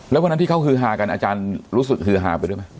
แล้ววันนั้นที่เขาฮือฮากันอาจารย์รู้สึกฮือฮาไปด้วยไหม